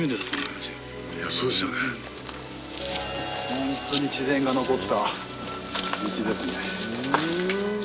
ホントに自然が残った道ですね。